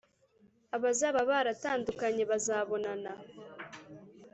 Abazaba baratandukanye bazabonana,